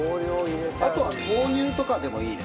あとは豆乳とかでもいいですね。